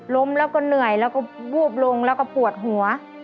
ล้มแล้วก็เหนื่อยแล้วก็วูบลงแล้วก็ปวดหัว